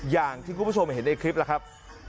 อย่างที่คุณผู้ชมเห็นในคลิปล่ะครับ